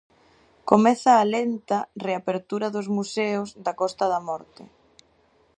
Comeza a lenta reapertura dos museos da Costa da Morte.